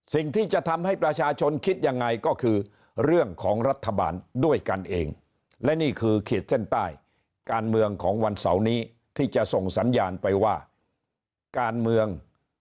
สิ่งที่จะทำให้ประชาชนคิดยังไงก็คือเรื่องของรัฐบาลด้วยกันเองและนี่คือขีดเส้นใต้การเมืองของวันเสาร์นี้ที่จะส่งสัญญาณไปว่าการเมือง